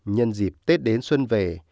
nhân dịp tết đến xuân về